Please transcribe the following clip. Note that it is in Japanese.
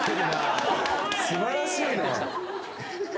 素晴らしいね